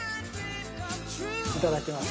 いただきます。